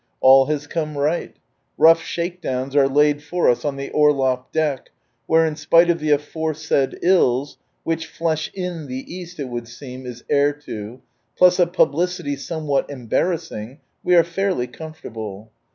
Ail has come right. Rough shakedowns are laid for us on the orlop deck, where in spite of the aforesaid ills, (which flesh in the East, it would seem, is heir to,) plus a publicity somewhat embarrassing, we are fairly comfortable.